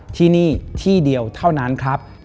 ที่นี่ที่เดียวเท่านั้นครับ